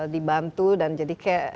dibantu dan jadi